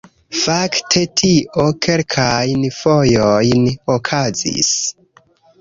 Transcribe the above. Fakte tio kelkajn fojojn okazis